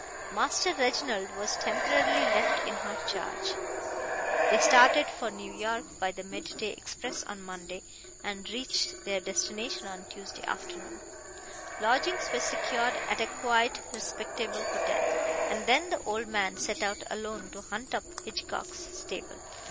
Master Reginald was temporarily left in her charge. They started for New York by the mid day express on Monday, and reached their destination on Tuesday afternoon. Lodgings were secured at a quiet, respectable hotel, and then the old man set out alone to hunt up Hitchcock's stable.